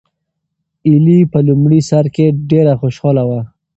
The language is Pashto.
ایلي په لومړي سر کې ډېره خوشحاله وه.